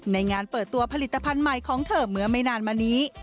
ในงานเปิดตัวผลิตภัณฑ์ใหม่ของเธอเมื่อไม่นานมานี้